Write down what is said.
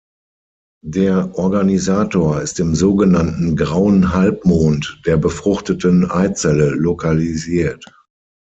Der Organisator ist im sogenannten „grauen Halbmond“ der befruchteten Eizelle lokalisiert.